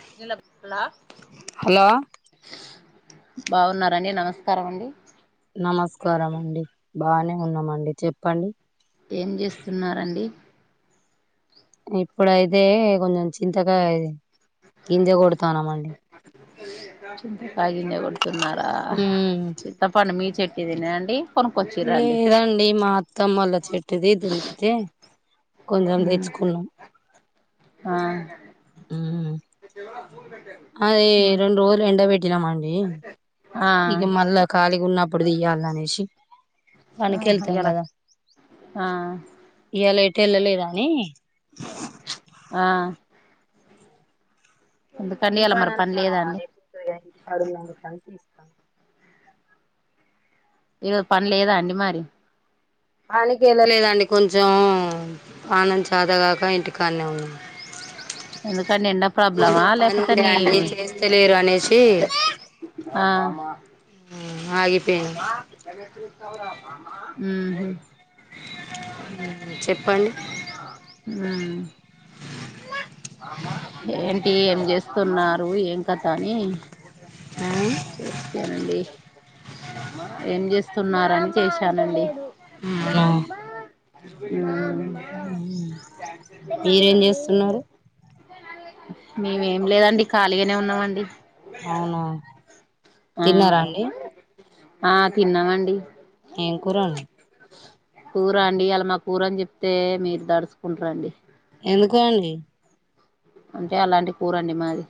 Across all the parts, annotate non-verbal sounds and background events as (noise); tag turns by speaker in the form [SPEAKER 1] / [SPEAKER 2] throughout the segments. [SPEAKER 1] శ్రీల పిల్ల
[SPEAKER 2] హలో
[SPEAKER 1] బావున్నారా అండి నమస్కారం అండి
[SPEAKER 2] నమస్కారం అండి బానే ఉన్నామ అండి చెప్ప అండి
[SPEAKER 1] ఏమ్ చేస్తు ఉన్నార్ అండి
[SPEAKER 2] ఇప్పుడ అయితే కొంచెం చింతగాయ్ గింజ కొడతానమ అండి
[SPEAKER 1] కాగింజ కొడుతు ఉన్నారా
[SPEAKER 2] ఉమ్
[SPEAKER 1] చింతపండుమీ చెట్టు దేన అండి
[SPEAKER 2] లేద అండి మా అత్తమ్మ వాళ్ల చెట్టుది తుమ్ పితే కొంచం మ్ తెచ్చుకు ఉన్నాం
[SPEAKER 1] ఆ
[SPEAKER 2] మ్ అదే రెండు రోజులు ఎండ పెట్టినామ అండి
[SPEAKER 1] ఆ
[SPEAKER 2] ఇక మళ్ళా కాలిగా ఉన్న ఇప్పుడు తీయాల అనేసి
[SPEAKER 1] ఆహా
[SPEAKER 2] పనికి వెళ్తాం
[SPEAKER 1] ఇయ్యాల
[SPEAKER 2] కదా
[SPEAKER 1] ఆ
[SPEAKER 2] ఇయాల ఎట్ ఎళ్ళలేదా అని
[SPEAKER 1] ఆ ఎందుకండి
[SPEAKER 2] ఈ
[SPEAKER 1] ఇయ్యాల మరి
[SPEAKER 2] పలాన్ని
[SPEAKER 1] పని
[SPEAKER 2] అ
[SPEAKER 1] లేదా అండి
[SPEAKER 2] ఎప్పుడు ఇంటి (inaudible) కడువుతు పంపిస్తావు
[SPEAKER 1] ఏద పన్ లేదా అండి మరి
[SPEAKER 2] ఆనికి వెళ్ళలేద అండి కొంచెం ఆ ఆనంద్ చాతగాక ఇంటికాన్నే ఉన్నా
[SPEAKER 1] ఎందుకని ఎండా ప్రాబ్లమా
[SPEAKER 2] పని
[SPEAKER 1] లేకపోతే
[SPEAKER 2] ఉండే అండి
[SPEAKER 1] నీవు
[SPEAKER 2] చేస్తలేరు అనేసి
[SPEAKER 1] ఆ
[SPEAKER 2] ఆగిపోయాను
[SPEAKER 1] మ్
[SPEAKER 2] చెప్ప అండి
[SPEAKER 1] ఆ ఏంటి ఏమ్ చేస్తు ఉన్నారు ఏమ్ కథ అని
[SPEAKER 2] ఆ
[SPEAKER 1] ఒకే న అండి ఏం చేస్తున్నారని చేశాన అండి ఆ
[SPEAKER 2] మీరే ఎమ్ చేస్తు ఉన్నారు
[SPEAKER 1] మేమ్ ఎమ్ లేద అండి ఖాళీగానే ఉన్నామ అండి
[SPEAKER 2] అవునా తిన్నారా అండి
[SPEAKER 1] ఆ తిన్నామ అండి
[SPEAKER 2] ఏం కురా అన్
[SPEAKER 1] కూరా అండి? ఇయాల, మా కూర అని చెప్తే మీరు దడుచుకుంట్రండి.
[SPEAKER 2] ఎందుకో అండి.
[SPEAKER 1] అంటే అలాంటి కూరండి మాది.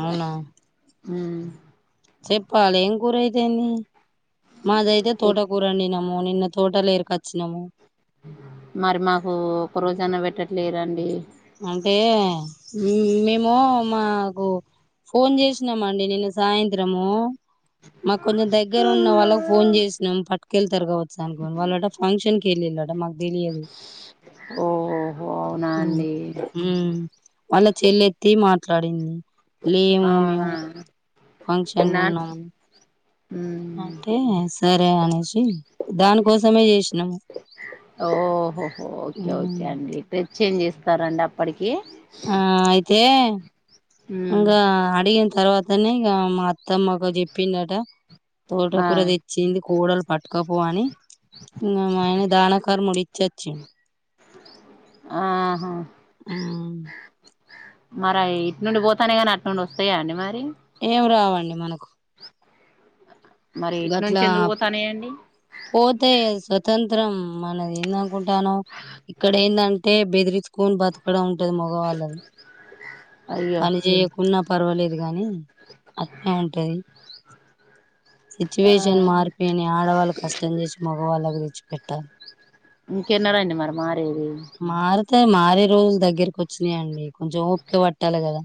[SPEAKER 2] అవునా!
[SPEAKER 1] మ్
[SPEAKER 2] చెప్పాలె ఏం కూర అయితేన్దీ? మాది అయితే
[SPEAKER 1] ఉత్
[SPEAKER 2] తోటకూరండినం ఒ నిన్న తోటలో ఏర్కొచ్చినము.
[SPEAKER 1] మరి మాకు ఒక్క రోజైనా పెట్టట్లేరండి?
[SPEAKER 2] అంటే మేము మాకు, ఫోన్ చేసినామండి. నిన్న సాయంత్రము.
[SPEAKER 1] (inaudible)
[SPEAKER 2] మాకు కొంచెం దగ్గర ఉన్న వాళ్ళకి ఫోన్ చేసినం. పట్టుకెళ్ళతర్కగావచ్చు అనుకోని, వాళ్ళంట ఫంక్షన్కి ఎల్లిండట మాకదేలియాదు.
[SPEAKER 1] ఓహో అవునా
[SPEAKER 2] మ్.
[SPEAKER 1] అండి
[SPEAKER 2] మ్ వాళ్ళ చెల్లెత్తి మాట్లాడింది. లేము
[SPEAKER 1] ఆహా
[SPEAKER 2] మేము. ఫంక్షన్లు
[SPEAKER 1] ఎన్నా
[SPEAKER 2] ఉన్న అని.
[SPEAKER 1] మ్మ్
[SPEAKER 2] అంటే సరే అనేసి దానికోసమే చేసినాము.
[SPEAKER 1] ఓహోహో ఓకే
[SPEAKER 2] హ్మ్.
[SPEAKER 1] ఓకే అండి. డ్రెస్ చేంజ్ చేస్తారండి అప్పటికి ఏ
[SPEAKER 2] టే ఇంగ అడిగిన తర్వాతనే ఇగా మా అత్ తమ్మకు చెప్పిందట. తోట
[SPEAKER 1] ఆ
[SPEAKER 2] కూర తెచ్చింది. కూడలు పట్టుకపో అని, ఇంగ మా ఆయన దానకర్ముడు ఇచ్చొచ్చిండు.
[SPEAKER 1] ఆహా
[SPEAKER 2] మ్
[SPEAKER 1] మరై ఇట్నుండి పోతున్నాయి కానీ, అటునుండి వత్తయా అండి మరి?
[SPEAKER 2] ఏం రావండి మనకు.
[SPEAKER 1] మరి ఇట్నుంచి
[SPEAKER 2] గట్లా
[SPEAKER 1] ఎందుకు పోతానయండి?
[SPEAKER 2] పోతే స్వతంత్రం మనది ఏందనుకుంటానవ్, ఇక్కడ ఏందంటే, బెదిరించుకొని బతుకడం ఉంటది మగవాళ్ళది.
[SPEAKER 1] అయ్యో
[SPEAKER 2] పని చేయకున్న పర్వాలేదు కానీ, అట్నే ఉంటది.
[SPEAKER 1] ఆ
[SPEAKER 2] సిచ్యువేషన్ మారిపోయినై. ఆడవాళ్ళు కష్టం చేసి మగవాళ్ళకు తెచ్చిపెట్టాలి.
[SPEAKER 1] ఇంకెన్నడండి మరి మారేది?
[SPEAKER 2] తే మారే రోజులు దగ్గరకి వచ్చినాయండి. కొంచెం ఓపిక పట్టాలి కదా.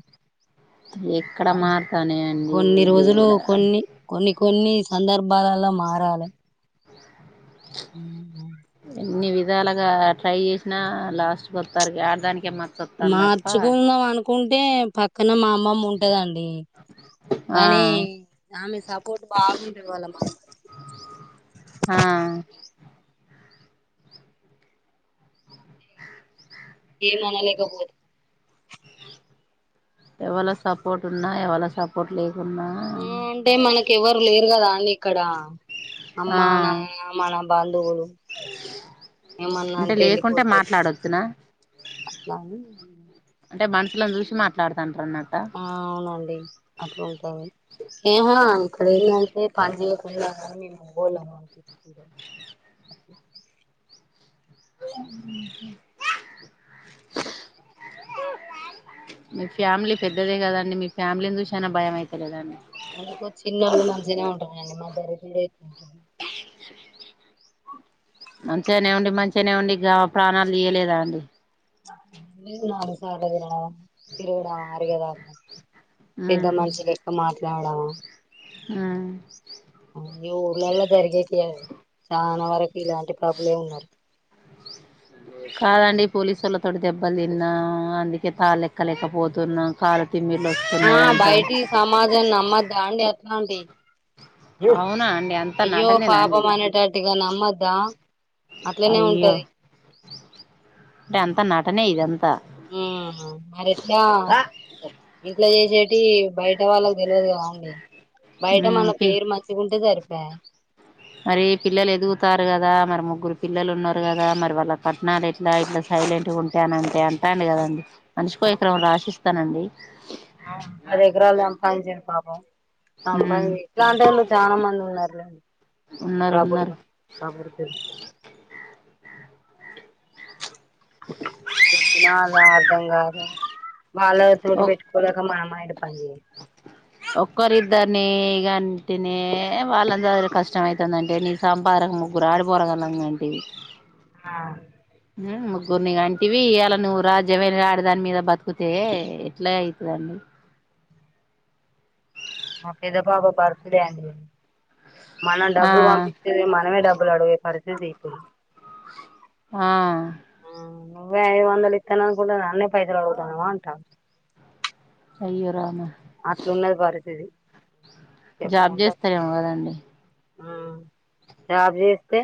[SPEAKER 1] ఎక్కడ
[SPEAKER 2] అన్
[SPEAKER 1] మారుతాన్నాయండి
[SPEAKER 2] కొన్ని రోజులు,
[SPEAKER 1] దేవుడా
[SPEAKER 2] కొన్ని కొన్ని కొన్ని సందర్భాలల మారాలి మ్
[SPEAKER 1] ఏదో అలాగ. ట్రై చేసినా లాస్ట్కొత్తారు గా, ఆడదానికె మ
[SPEAKER 2] మార్చుకుందాం అనుకుంటే, పక్కన మా అమ్మమ్మ ఉంటదండి.
[SPEAKER 1] ఆ
[SPEAKER 2] కానీ ఆమె సపోర్ట్ బాగుంటది వాళ్ళ మనవనికి.
[SPEAKER 1] ఆ
[SPEAKER 2] ఏమనలేకబోదు
[SPEAKER 1] ఎవళ సపోర్ట్ ఉన్నా, ఎవళ సపోర్ట్ లేకున్నా,
[SPEAKER 2] మ్ అంటే మనకి ఎవరు లేరు కదా అండి ఇక్కడ అమ్మానం
[SPEAKER 1] ఆ
[SPEAKER 2] మనం దోగోలు ఏమన్న
[SPEAKER 1] అంటే
[SPEAKER 2] అంటె
[SPEAKER 1] లేకుంటే
[SPEAKER 2] వెళ్ళిపోతది.
[SPEAKER 1] మాట్లాడొచ్చునా
[SPEAKER 2] అట్లాని
[SPEAKER 1] అంటే మనుషులని చూసి మాట్లాడతండు
[SPEAKER 2] ఆ అవునండి. అట్లుంటది. ఏమో అనుకోలే. ఏమంటే పనిచేయకుండా (unintelligible) ఓకే (inaudible)
[SPEAKER 1] (inaudible) మీ ఫ్యామిలీ పెద్దదే కదండి! మీ ఫ్యామిలీని చూసి అయినా భయం అయితలేదండి?
[SPEAKER 2] అందుకు చిన్నోళ్ళు మంచిగనే ఉంటారండి. మా దరితీరే కొంచం
[SPEAKER 1] (inaudible) మంచిగానే ఉండి మంచిగానే ఉండి ప్రాణాలు తీయలేదా అండి
[SPEAKER 2] అసాంటది (unintelligible) అగేదాకా పెద్ద
[SPEAKER 1] ఉమ్
[SPEAKER 2] మష క్క మాట్లాడవా
[SPEAKER 1] ఆ
[SPEAKER 2] ఈ ఊర్లలో జరిగేత అ చాలా వరకు ఇలాంటి ప్రాబ్లే ఉన్నారు
[SPEAKER 1] అ కాదండి పోలీసు వాల తోటి దెబ్బలు తిన్నాం అందుకే తాళ్ళ ఎక్కలేకపోతున్నాం కాలు
[SPEAKER 2] ఆ బయటి సమాజం నమ్మది అండి ఎట్లాంటి
[SPEAKER 1] అవునా అంతా
[SPEAKER 2] అయ్యో
[SPEAKER 1] నటనేనా
[SPEAKER 2] పాప
[SPEAKER 1] అండి
[SPEAKER 2] అనేటటిగా నమ్మద్దా అట్లనే
[SPEAKER 1] అయ్యో
[SPEAKER 2] ఉంటాది
[SPEAKER 1] అంటే ఎంత నటనే ఇదంత
[SPEAKER 2] ఉ మరిట్లా ఇంట్లా చేసేటి బయట వాళ్ళకు తెలియదు కావండి బయట మన
[SPEAKER 1] ఉమ్ పి
[SPEAKER 2] పేరు మర్చికుంటే సరిపాయి
[SPEAKER 1] మరి పిల్లలు ఎదుగుతారు కదా మరి ముగ్గురు పిల్లలు ఉన్నారు కదా మరి వాళ్ళ పట్టణాలు ఇట్లా ఇట్లా సైలెంట్ గా ఉంటా అన అంటే అంటా కదండి మనిషికో ఈ క్రమం రాశిస్తానండి
[SPEAKER 2] ఆ పది ఎకరాలుద పయి చెరు పాపం తంభా
[SPEAKER 1] ఉమ్
[SPEAKER 2] ఇలాంటి వాళ్ళు చాలా మంది ఉన్నారాండి
[SPEAKER 1] ఉన్నారు
[SPEAKER 2] ప్రబలు
[SPEAKER 1] ఉన్నారు
[SPEAKER 2] ప్రబలు (unintelligible) అలా అర్థం కాదు బళ్ళ తోటి పెట్టుకోలేక మా అమ్మాయి
[SPEAKER 1] ఒక్కారుద్దని ఇ కాంటినే వాళ్ళంద్గ కష్టమవుతుందంటే నీ సంపాదక ముగ్గురు ఆడిపోరగలంటంటి ఆ
[SPEAKER 2] ఆ
[SPEAKER 1] ముగ్గురుని అంటివి అలా నువ్వు రాజ్యమైన రా దాని మీద బతుకుతే ఎట్లా అవుతుదండి (inaudible)
[SPEAKER 2] మా పెద్ద పాప బర్త్ డే అండి మనం
[SPEAKER 1] ఆ
[SPEAKER 2] డబ్బులు పంపిచేది మనమే డబ్బు (unintelligible) పరిస్థితి
[SPEAKER 1] ఆ
[SPEAKER 2] నువ్వేఐదు వందలి ఇత్తన అ కూడా నన్నే పైసలగుతామా ఉంటా
[SPEAKER 1] అయ్యో రామ
[SPEAKER 2] అట్లు ఉన్నది పరిస్థితి
[SPEAKER 1] జాబ్
[SPEAKER 2] చెప్పుకుంటే
[SPEAKER 1] చేస్తారేమో కదండి
[SPEAKER 2] జాబ్ చెస్టే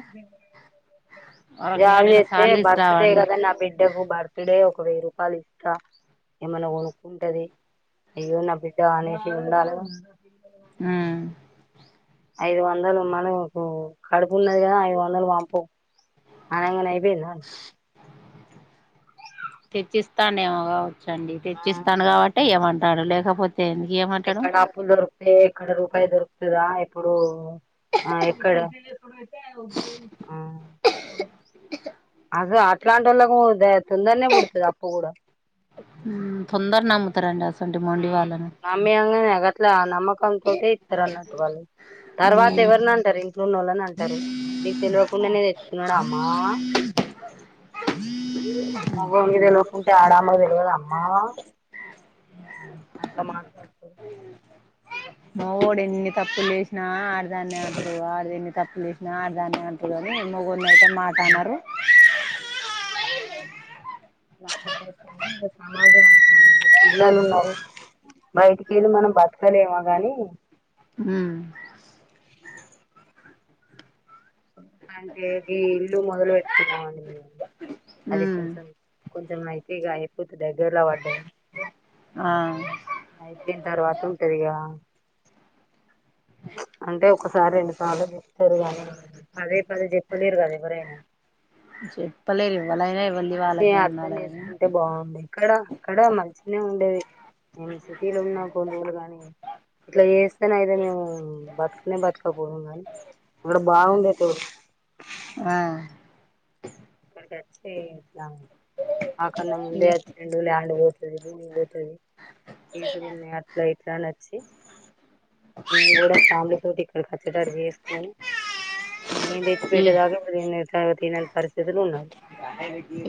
[SPEAKER 1] వాళ్ళకి నెల
[SPEAKER 2] జబ్
[SPEAKER 1] నెల
[SPEAKER 2] చెస్టే అయితే
[SPEAKER 1] శాలరీస్
[SPEAKER 2] బర్త్డేగ
[SPEAKER 1] రావండి
[SPEAKER 2] అదా నా బిడ్డకు బర్త ఒక డే ఒక వెయ్యి రూపాయలు ఇస్తా ఏమన్నా కొనుక్కుంటది అయ్యో నా (unintelligible) ఉందాల
[SPEAKER 1] ఉమ్
[SPEAKER 2] ఐదు వందలు మన కడుపు ఉన్నది కదా ఐదు వందలు పంపు అనగానే వెళను
[SPEAKER 1] తెచ్చిస్తాను ఏమో కావచ్చండి
[SPEAKER 2] ఆ
[SPEAKER 1] తెచ్చిస్తాను కాబట్టి ఏమంట తాడలే లేకపోతే ఎందుకు ఇయ్యమంటాడు
[SPEAKER 2] ఎక్కడ అప్పులు దొరుకుతాయి ఇక్కడ రూపాయి దొరుకుతుందా ఇప్పుడు ఆ ఎక్కడ ఆ అస అట్లాంటి వాళ్ళకు తొండరగా పుదతధి అప్ప కూడాడా
[SPEAKER 1] తొందర నమ్ముతారండి అసొంటి మొండి వాళ్ళను
[SPEAKER 2] మమ్మీ అంగనే అ నమ్మకం తోటే ఇత్తరు అన్నట్టు వాళ్ళు తర్వాత ఎవరిని అంటారు ఇంట్లోన్న వాళ్ళని అంటారు నీకు తెలివకుండనే తెచ్చుకున్నాడా అమ్మా
[SPEAKER 1] ఈ (inaudible)
[SPEAKER 2] మగోనికి తెలువకుంటే ఆడమ్మకు తెలియద అమ్మా అట్లా మాట్ కడుతు
[SPEAKER 1] మొగోడు ఎన్ని తప్పులు చేసినా ఆడదాన్ని అంటారు ఆడది తప్పు జేసిన ఆడదానే అంటురూ గాని మొగుణ అయితే మాట
[SPEAKER 2] అవును
[SPEAKER 1] అనరు వ (inaudible)
[SPEAKER 2] సమాజం పిల్లాలు ఉన్నారూ బయటికి వెళ్ళి మనం బతకలేమ గాని
[SPEAKER 1] హ్
[SPEAKER 2] అందుకే గి ఇల్లు మొదలు అది
[SPEAKER 1] ఉమ్
[SPEAKER 2] కొంచెం కొంచెం ఐతే ఇగ దగ్గరలో పడ్డాది
[SPEAKER 1] ఆ
[SPEAKER 2] అయిపోయిన తర్వాత ఉంటదిగా అంటే ఒకసారి రెండు సార్లు ఇస్తారు గని అదే పదే చెప్పలేరు గద ఎవరైనా
[SPEAKER 1] చెప్పలేరు ఇవ్వాలైనా ఇవ్వాలి
[SPEAKER 2] మనిషి
[SPEAKER 1] వాళ్ళకే
[SPEAKER 2] అర్థం
[SPEAKER 1] ఉండాలి కానీ
[SPEAKER 2] చేసుకుంటే బావుండే ఇక్కడ అక్కడ మంచినే ఉండేది మేము సిటీలో ఉన్నా కొన్ని రోలు గాని ఇట్లా చేస్తేనే అయితే మేము బతకనే (unintelligible) బతకపోదుము కానీ ఇక్కడ బాగుండేది (inaudible)
[SPEAKER 1] అ
[SPEAKER 2] ఇక్కడికి మాకన్నా ముందే వచ్చిండు లండువో భూమి పోతది కేసులు ఉన్నాయి అట్లా ఇట్లా నచ్చి నేను కూడా ఫ్యామిలీతోటి ఇక్కడ కోచేటట్టు చేసుకొని నేను తెచ్చి
[SPEAKER 1] ఈ
[SPEAKER 2] పెట్టేదాకా ఇప్పుడు తినెంత పరిస్థితులు ఉన్నారు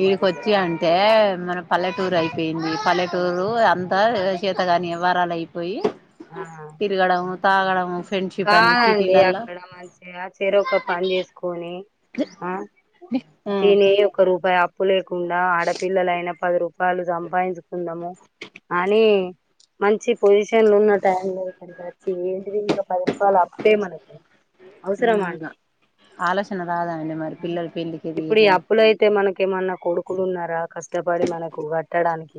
[SPEAKER 1] ఇడికొచి అంటే మన పల్లెటూరు అయిపియింది పల్లెటూరు అంతా చేత గాని యవ్వరాలు
[SPEAKER 2] ఆ
[SPEAKER 1] తిరగడం తాగడం
[SPEAKER 2] కాదండి అక్కడ మంచిగా చెరొక పని చేసుకొని ఆ
[SPEAKER 1] హ
[SPEAKER 2] తిని ఒక రూపాయి అప్పు లేకుండా ఆడపిల్లలైనా పది రూపాయలు సంపాయించుకుందాము అని మంచి పొజిషన్లో ఉన్న టైమ్ లో ఇక్కడికి వచ్చి ఏంటి పది రూపాయలు అప్పే మనకి అవసరమా అండి
[SPEAKER 1] మ్మ్ ఆలోచన రాదండి మరి పిల్లలు పెళ్ళికి
[SPEAKER 2] ఇప్పుడు ఈ
[SPEAKER 1] ఎదిగిర్రని
[SPEAKER 2] అప్పులు అయితే మనకి ఏమన్న కొడుకులు ఉన్నారా కష్టపడి మనకు కట్టడానికి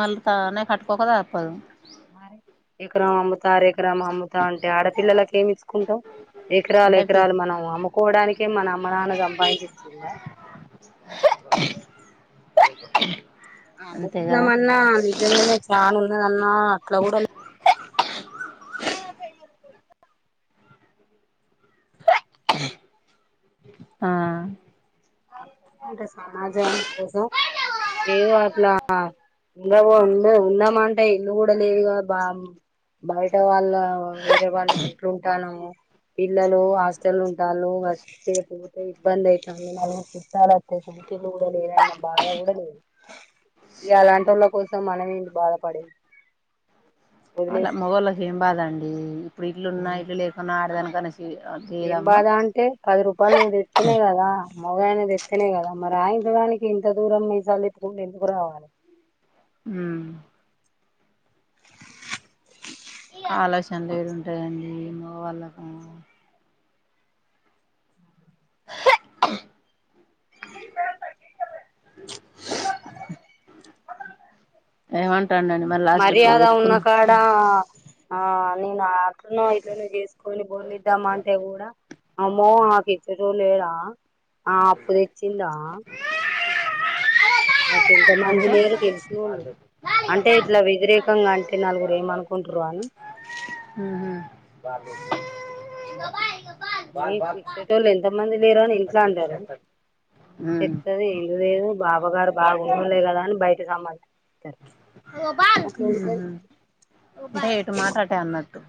[SPEAKER 1] మళ్ళీ తానే కట్టుకోక తప్పదు
[SPEAKER 2] మరీ ఎకరం అమ్ముత ఎకరం అమ్ముతా అంటే ఆడపిల్లలకి ఏమి ఇచ్చుకుంటావు ఎకరాలు
[SPEAKER 1] అంటే పి
[SPEAKER 2] ఎకరాలు మనం అమ్ముకోవడానికే మన అమ్మ నాన్న సంపఇచ్చిఇచ్చిండ
[SPEAKER 1] (inaudible) అంతే కదా
[SPEAKER 2] ఆమ్మకుందమన్న నిజంగానే చాను ఉన్న అన్న అట్లా గూడ
[SPEAKER 1] అ
[SPEAKER 2] సమాజం కోసం ఏ అట్ల ఉండబో ఉండ ఉందామ అంటే ఇల్లు కూడా లేదుగా బా బయట వాళ్ళ వేరే వాళ్ళ ఇంట్లో ఉంటానము పిల్లలు హాస్టల్ ఉంటాలు వస్తే పోతే ఇబ్బంది అయితది చుట్టాలు వస్తే సొంత ఇల్లు లేదని బాధ కూడా లేదు ఇ అలాంటి వాళ్ళ కోసం మనం ఏంటి బాధపడేది
[SPEAKER 1] అలా
[SPEAKER 2] వదిలేసిన
[SPEAKER 1] మగోళ్ళకి ఏం బాదండి ఇప్పుడు ఇట్లున్నా ఇట్లు లేకున్నా ఆడదానీక
[SPEAKER 2] ఏం బాధ అంటే పది రూపాయలు నువ్వు పెడితేనే గాదా మొగాయిన తెస్తేనే కదా ఆ ఇంత దానికి మీసాలు తిప్పుకుంటే ఎందుకు రావాలి
[SPEAKER 1] హమ్ ఆలోచనలు ఏది ఉంటాయండి మోగా వాళ్ళకు (inaudible) (inaudible) ఏమ్
[SPEAKER 2] మర్యాద ఉన్న కాడ ఆ నేను అట్ను ఇలునే చేసుకొని బోలిద్దామఅంటే కూడ అమ్మో ఆమేకు యీచే టోళ్లు లేరా ఆమె అప్పు తెచ్చిందా ఇంతమంది
[SPEAKER 1] అంటే
[SPEAKER 2] లేరు తెలిసినళ్ళు అంటే ఇట్లా వ్యతిరేకంగా అంటే నలుగురు ఏమ అనుకుంటారు అ (unintelligible)
[SPEAKER 1] (unintelligible) ఉహు
[SPEAKER 2] నీకు ఇచ్చేటోళ్లు ఎంత మంది లేరు అని ఇంట్లో అంటారు
[SPEAKER 1] ఉమ్
[SPEAKER 2] చెప్తది ఎందు లేదు బాబా గారు బాగుండలే కదా అని బయట సమ్మాధ
[SPEAKER 1] అగొ బోల్ హు హు అంటే ఎటు మట్ట అట్టే అన్నటు